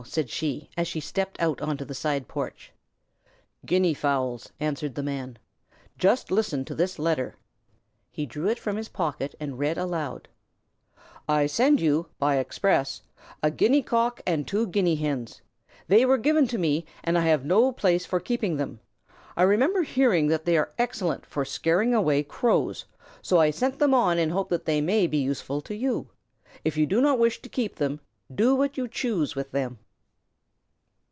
said she, as she stepped onto the side porch. "Guinea fowls," answered the Man. "Just listen to this letter." He drew it from his pocket and read aloud: "I send you, by express, a Guinea Cock and two Guinea Hens. They were given to me, and I have no place for keeping them. I remember hearing that they are excellent for scaring away Crows, so I send them on in the hope that they may be useful to you. If you do not wish to keep them, do what you choose with them."